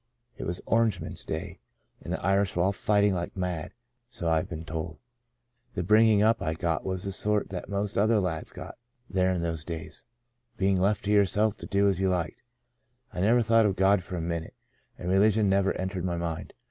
It was Orangemen's Day, and the Irish were all fighting like mad so I've been "Out of Nazareth" 131 told. The bringing up I got was the sort that most other lads got there in those days — being left to yerself to do as you liked. I never thought of God for a minute, and re ligion never entered my mind.